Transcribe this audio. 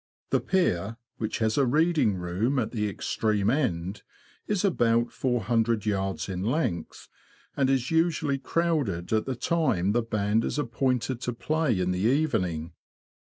The pier, which has a reading room at the extreme end, is D 2 36 THE LAND OF THE BROADS. about 400yds. in length, and is usually crowded at the time the band is appointed to play in the evening.